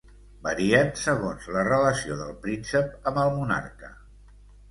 Varien segons la relació del príncep amb el monarca.